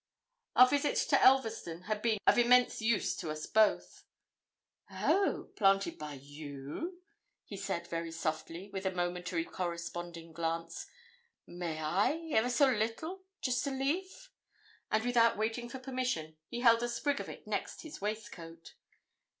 Our visit to Elverston had been of immense use to us both. 'Oh! planted by you?' he said, very softly, with a momentary corresponding glance. 'May I ever so little just a leaf?' And without waiting for permission, he held a sprig of it next his waistcoat.